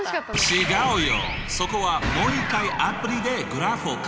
違うよ！